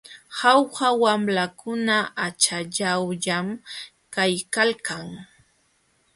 Jauja wamlakuna achallawllam kaykalkan.